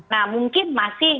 nah mungkin masih